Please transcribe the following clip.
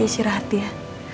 lagi istirahat dia